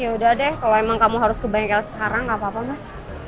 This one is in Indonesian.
yaudah deh kalo emang kamu harus ke bengkel sekarang gak apa apa mas